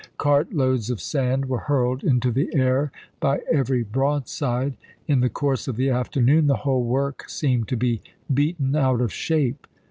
Cart loads of we*. ' sand were hurled into the air by every broadside ; in the course of the afternoon the whole work seemed to be beaten out of shape.